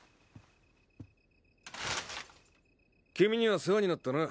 君には世話になったな。